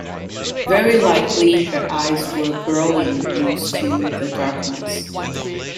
Very likely her eyes were growing used to the darkness.